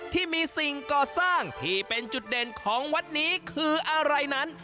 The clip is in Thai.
ที่มีสิ่งก่อสร้างที่เป็นจุดเด่นของวัดนี้คืออะไรนั้น